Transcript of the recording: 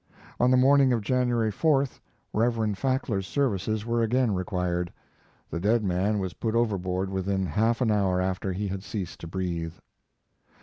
On the morning of January 4th Reverend Fackler's services were again required. The dead man was put overboard within half an hour after he had ceased to breathe.